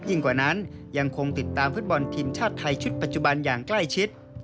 กว่านั้นยังคงติดตามฟุตบอลทีมชาติไทยชุดปัจจุบันอย่างใกล้ชิด